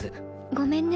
ごめんね